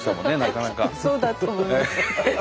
きっとそうだと思います。